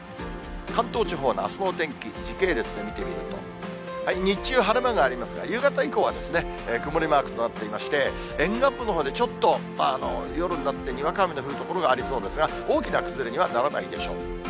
関東地方のあすのお天気、時系列で見てみると、日中、晴れ間がありますが、夕方以降は曇りマークとなっていまして、沿岸部のほうでちょっと夜になって、にわか雨の降る所がありそうですが、大きな崩れにはならないでしょう。